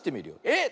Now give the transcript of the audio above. えっ！